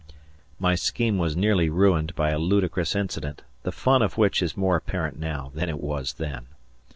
My scheme was nearly ruined by a ludicrous incident, the fun of which is more apparent now than it was then.